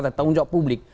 tanggung jawab publik